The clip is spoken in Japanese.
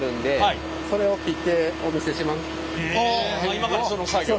今からその作業を。